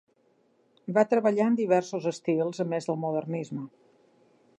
Va treballar en diversos estils a més del modernisme.